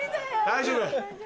大丈夫。